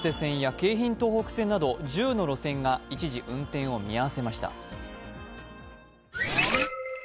京浜東北線など１０の路線が一時、運転を見合わせました。